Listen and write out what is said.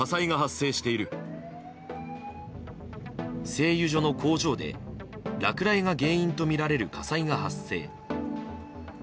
製油所の工場で落雷が原因とみられる火災が発生。